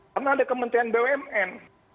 karena ada kementerian bumn